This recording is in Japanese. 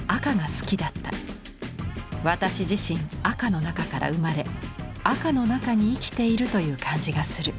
私自身赤の中から生まれ赤の中に生きているという感じがする。